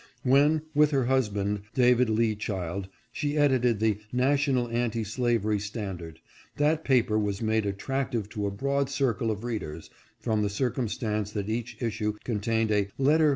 When, with her husband, David Lee Child, she edited the National Anti Slavery Standard, that paper was made attractive to a broad circle of readers, from the circumstance that each issue contained a "Letter 572 SARAH AND ANGELINA GRIMKE.